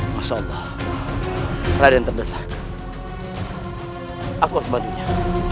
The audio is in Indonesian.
masalah raden terdesak aku bantunya